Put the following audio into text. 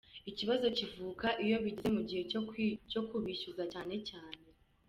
Ikibazo kivuka iyo bigeze mu gihe cyo kubishyuza cyane cyane.”